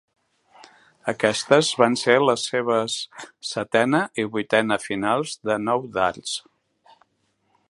Aquestes van ser les seves setena i vuitena finals de nou dards.